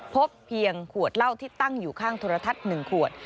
พบเพียงขวดเหล้าที่ตั้งอยู่ข้างโทรทัศน์๑ขวด